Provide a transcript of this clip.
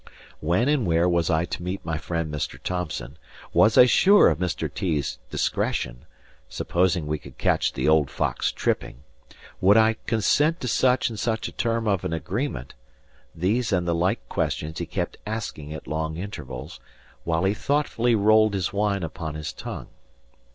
When and where was I to meet my friend Mr. Thomson; was I sure of Mr. T.'s discretion; supposing we could catch the old fox tripping, would I consent to such and such a term of an agreement these and the like questions he kept asking at long intervals, while he thoughtfully rolled his wine upon his tongue.